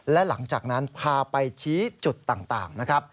และหลังจากนั้นพาไปชี้จุดต่าง